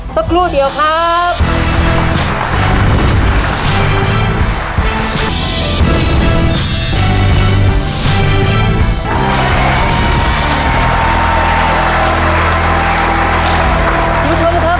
สักครู่เดียวครับ